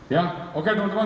ya oke teman teman